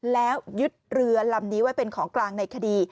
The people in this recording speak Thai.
แล้วยึดเรือลำนี้ไว้เป็นของกลางในคดี